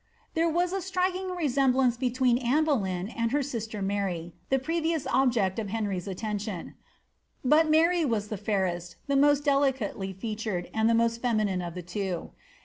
"* There was a striking resemblance between Anne Boleyn and her sister Mary, the previous object of Henry's attention ; but Mary was the fairest, the most delicately featured, and the most feminine of the two.